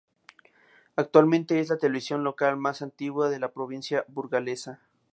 Actualmente es la televisión local más antigua de la provincia burgalesa.